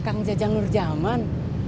kang jajang nurjaman